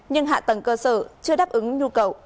nhưng hạ tầng cơ sở chưa đáp ứng nhu cầu